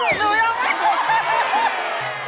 หนูยังไม่หมด